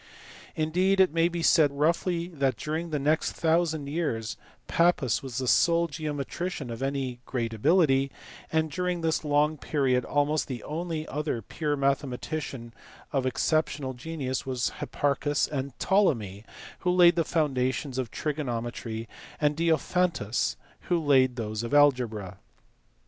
Indeed it may be said roughly that during the next thousand years Pappus was the sole geometrician of great ability; and during this long period almost the only other pure mathematicians of exceptional genius were Hipparchus and Ptolemy who laid the foundations of trigonometry, and Diopharitus who laid those of algebra.